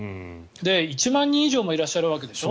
１万人以上もいらっしゃるわけでしょう